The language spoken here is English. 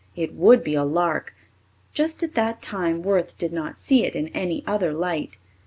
It would be a lark just at that time Worth did not see it in any other light.